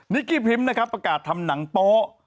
กี้พิมพ์นะครับประกาศทำหนังโป๊ะ